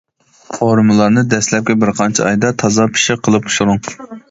قورۇمىلارنى دەسلەپكى بىر قانچە ئايدا تازا پىششىق قىلىپ پۇشۇرۇڭ.